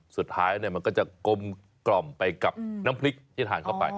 สุดท้ายมันก็จะกลมกล่อมไปกับน้ำพริกที่ทานเข้าไป